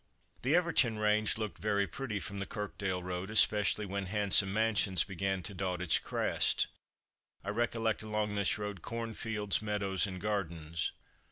The Everton range looked very pretty from the Kirkdale road, especially when handsome mansions began to dot its crest. I recollect along this road cornfields, meadows and gardens.